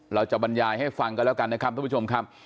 เราจะบรรยายให้ฟังกันแล้วกันนะครับทุกผู้ชมครับ